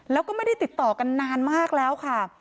แล้วก็ไม่ได้ติดต่อกันนานมากแล้วค่ะ